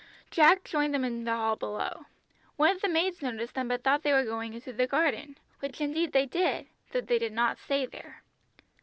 Jack joined them in the hall below. One of the maids noticed them but thought they were going into the garden, which indeed they did, though they did not stay there.